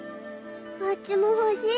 わっちも欲しい。